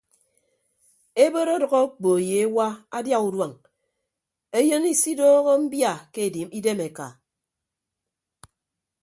Ebot ọdʌk okpo ye ewa adia uduañ eyịn isidooho mbia ke idem eka.